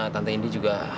karena tante indi juga